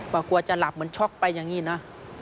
ก็กลัวจะหลับเหมือนช็อกไปอย่างนี้นะ